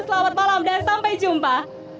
selamat malam dan sampai jumpa